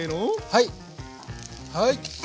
はい！